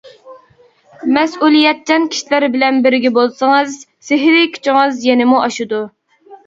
مەسئۇلىيەتچان كىشىلەر بىلەن بىرگە بولسىڭىز، سېھرىي كۈچىڭىز يەنىمۇ ئاشىدۇ.